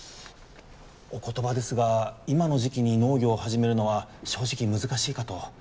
お言葉ですが今の時期に農業を始めるのは正直難しいかと。